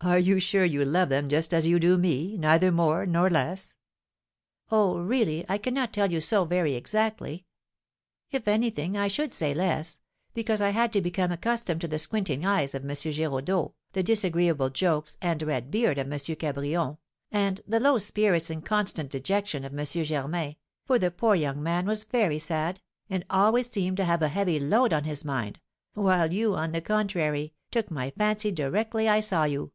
"Are you sure you loved them just as you do me, neither more nor less?" "Oh, really, I cannot tell you so very exactly! If anything, I should say less; because I had to become accustomed to the squinting eyes of M. Giraudeau, the disagreeable jokes and red beard of M. Cabrion, and the low spirits and constant dejection of M. Germain, for the poor young man was very sad, and always seemed to have a heavy load on his mind, while you, on the contrary, took my fancy directly I saw you."